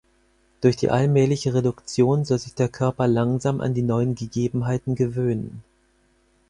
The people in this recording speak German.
Durch die allmähliche Reduktion soll sich der Körper langsam an die neuen Gegebenheiten gewöhnen.